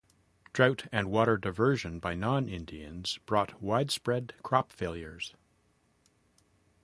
Drought and water diversion by non-Indians brought widespread crop failures.